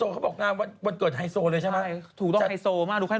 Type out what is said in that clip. ติดตัวมากเลยงานวันเกิดไฮโซเลยใช่มะถูกต้องไฮโซมากดูดิ